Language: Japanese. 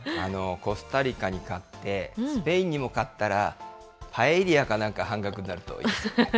コスタリカに勝って、スペインにも勝ったら、パエリアかなんか半額になるといいですね。